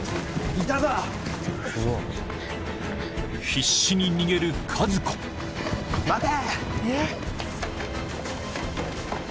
必死に逃げる和子待て！